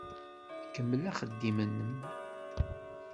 Kemmel axeddim-nnem.